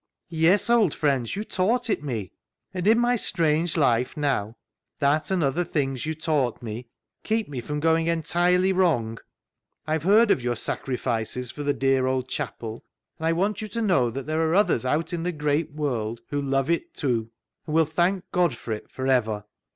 " Yes, old friends, you taught it me. And in my strange life now, that and other things you taught me, keep me from going entirely wrong. I've heard of your sacrifices for the dear old chapel, and I want you to know that there are others out in the great world who 346 CLOG SHOP CHRONICLES love it too, and will thank God for it for ever."